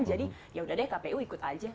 jadi yaudah deh kpu ikut aja